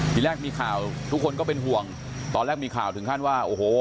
ทีแรกมีข่าวทุกคนก็เป็นห่วงตอนแรกมีข่าวถึงขั้นว่าโอ้โห